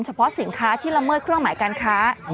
เฉพาะสินค้าที่ละเมิดเครื่องหมายการค้า